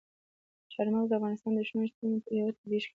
چار مغز د افغانستان د شنو سیمو یوه طبیعي ښکلا ده.